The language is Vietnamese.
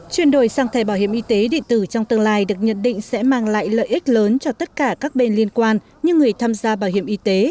chuyển đổi sang thẻ bảo hiểm y tế điện tử trong tương lai được nhận định sẽ mang lại lợi ích lớn cho tất cả các bên liên quan như người tham gia bảo hiểm y tế